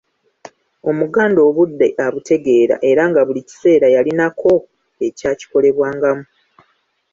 Omuganda obudde abutegeera era nga buli kiseera yalinako ekyakikolebwangamu.